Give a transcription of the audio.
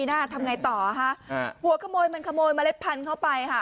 ส่วนหนึ่งขายแล้วส่วนหนึ่งเขาจะเก็บเป็นเมล็ดพันธุ์